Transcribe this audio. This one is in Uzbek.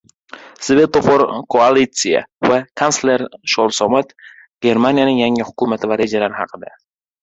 «Svetofor koalitsiya» va kansler Sholsomat. Germaniyaning yangi hukumati va rejalari haqida